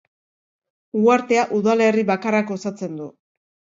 Uhartea udalerri bakarrak osatzen du.